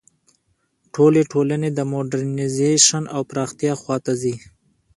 ټولې ټولنې د موډرنیزېشن او پراختیا خوا ته ځي.